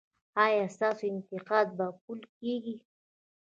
ایا ستاسو انتقاد به وپل کیږي؟